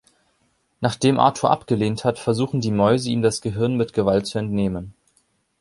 Nachdem Arthur abgelehnt hat, versuchen die Mäuse, ihm das Gehirn mit Gewalt zu entnehmen.